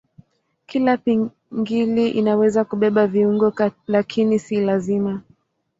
Kila pingili inaweza kubeba viungo lakini si lazima.